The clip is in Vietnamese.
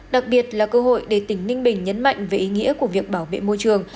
đặc biệt là cơ hội để tỉnh ninh bình nhấn mạnh về ý nghĩa của việc bảo vệ môi trường